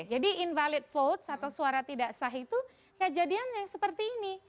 jadi invalid vote atau suara tidak sah itu kejadian yang seperti ini